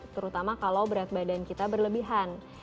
terutama kalau berat badan kita berlebihan